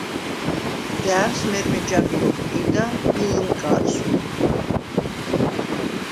და̄̈ვს მე̄რმე ჯაბირ ოხკი̄და ი ლჷმკა̄რზვინ.